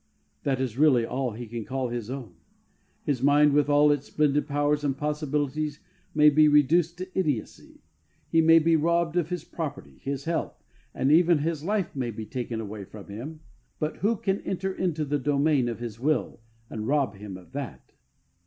That is really all he can call his own. His mind, with all its splendid powers and possibilities, may be reduced to idiocy ; he may be robbed of his property ; UNION WITH JESUS. 63 his health, and even his life may be taken away from him, but who can enter into the domain of his will and rob him of that